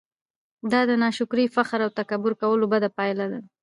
دا د ناشکرۍ، فخر او تکبير کولو بده پايله ده!